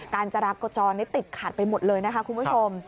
การจรับกระจอดนี่ติดขาดไปหมดเลยนะคะคุณผู้ชม